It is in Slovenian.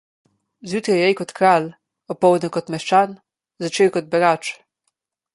Zjutraj jej kot kralj, opoldne kot meščan, zvečer kot berač.